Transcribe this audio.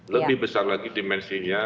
lebih besar lagi dimensinya